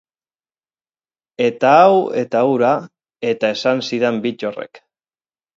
Eta hau eta hura, eta esan zidan Bittorrek.